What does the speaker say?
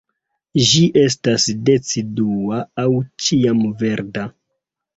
Ĝi estas decidua aŭ ĉiamverda.